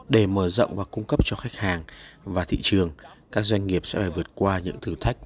để mở rộng và cung cấp cho khách hàng và thị trường các doanh nghiệp sẽ phải vượt qua những thử thách